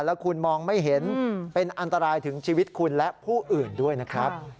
แล้วคุณมองไม่เห็นเป็นอันตรายถึงชีวิตคุณและผู้อื่นด้วยนะครับ